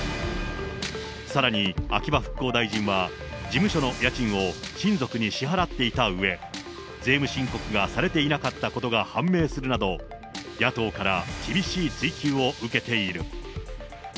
さらに秋葉復興大臣は、事務所の家賃を親族に支払っていたうえ、税務申告がされていなかったことが判明するなど、野党から厳しい追及を受けている。